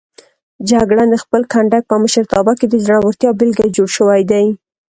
جګړن د خپل کنډک په مشرتابه کې د زړورتیا بېلګه جوړ شوی دی.